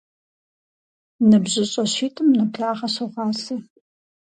НыбжьыщӀэ щитӏым нэблагъэ согъасэ.